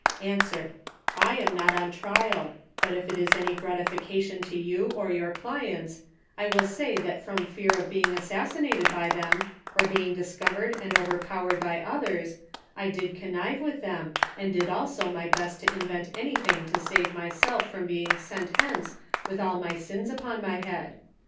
— I am not on trial ; but if it is any gratification to you or your clients, I will say tliat from fear of being assas 384 THE SOCIAL WAR OF lUOO; OR, sinated bj' them, or being discovered and overpowered by others, I did connive with them, and did also my best to invent anything to save myself from being sent lience with all my sins upon my liead